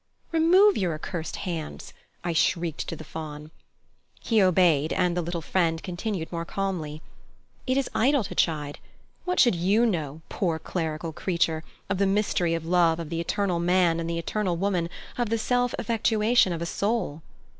"Remove your accursed hands!" I shrieked to the Faun. He obeyed and the little friend continued more calmly: "It is idle to chide. What should you know, poor clerical creature, of the mystery of love of the eternal man and the eternal woman, of the self effectuation of a soul?"